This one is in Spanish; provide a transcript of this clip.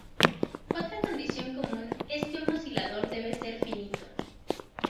Otra condición común es que un oscilador debe ser finito.